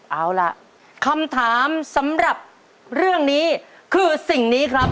เอาล่ะคำถามสำหรับเรื่องนี้คือสิ่งนี้ครับ